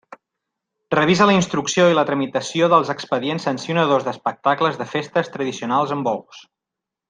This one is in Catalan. Revisa la instrucció i la tramitació dels expedients sancionadors d'espectacles de festes tradicionals amb bous.